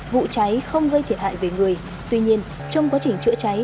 vụ cháy không gây thiệt hại về người tuy nhiên trong quá trình chữa cháy